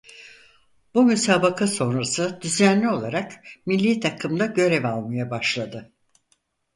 Bu müsabaka sonrası düzenli olarak millî takımda görev almaya başladı.